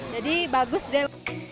jadi bagus deh